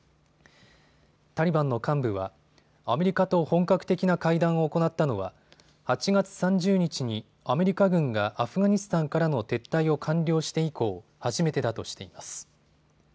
タリバンの幹部はアメリカと本格的な会談を行ったのは８月３０日にアメリカ軍がアフガニスタンからの撤退を完了して以降、初めてだとしています。